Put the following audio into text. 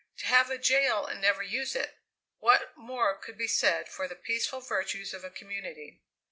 To have a jail and never use it! What more could be said for the peaceful virtues of a community?